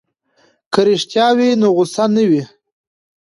که رښتیا وي نو غصه نه وي.